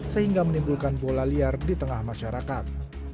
sehingga menimbulkan bola liar di tengah masyarakat